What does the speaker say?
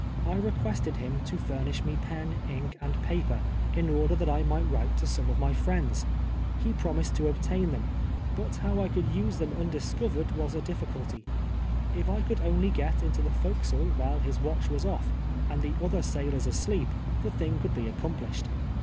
I recpiested him to furnish me pen, ink and paper, in order that I miglit v\ rite to some of my friends. He promised to obtain them — but how I could use them undiscover ed was a dithcnlty. If I could only get into the fore castle while his watch was off, and the other sailors asleep, the thing could be accomplished.